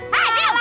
tolak bupati tolak